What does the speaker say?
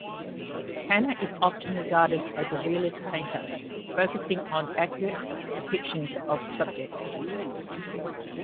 Tanner is often regarded as a realist painter, focusing on accurate depictions of subjects.